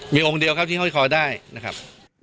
มีองค์เดียวครับที่ห้อยคอได้นะครับ